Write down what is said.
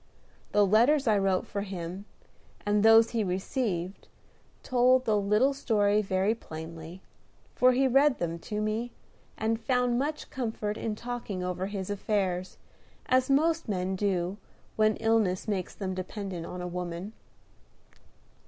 The letters I wrote for him, and those he received, told the little story very plainly; for he read them to me, and found much comfort in talking over his affairs, as most men do when illness makes them dependent on a woman.